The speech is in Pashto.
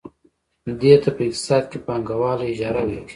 دې ته په اقتصاد کې پانګواله اجاره ویل کېږي